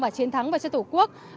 và chiến thắng cho tổ quốc